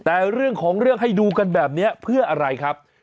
แต่เรื่องของเรื่องให้ดูกันแบบนี้เพื่ออะไรครับ